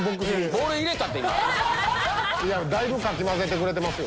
だいぶかき混ぜてくれてますよ。